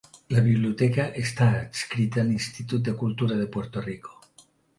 La biblioteca està adscrita a l'Institut de Cultura de Puerto Rico.